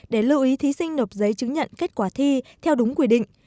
để lưu ý thí sinh nộp giấy chứng nhận kết quả thi theo đúng quy định